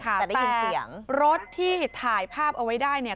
ใช่ค่ะแต่รถที่ถ่ายภาพเอาไว้ได้เนี่ย